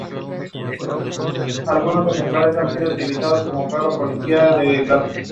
Sus trabajos profesionales han sido traducidos a diversos idiomas.